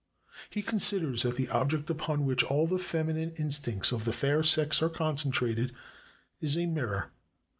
He considers that the object upon which all the feminine instincts of the fair sex are concentrated is a mirror.